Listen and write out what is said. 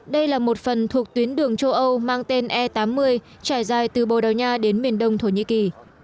đây là một phần thuộc tuyến đường châu âu mang tên e tám mươi trải dài từ bồ đào nha đến miền đông thổ nhĩ kỳ